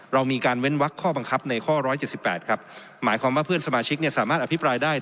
เรามีการเว้นวักข้อบังคับในข้อ๑๗๘ครับหมายความว่าเพื่อนสมาชิกเนี่ยสามารถอภิปรายได้